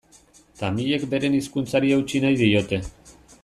Tamilek beren hizkuntzari eutsi nahi diote.